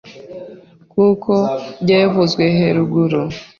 Nk’uko byevuzwe heruguru,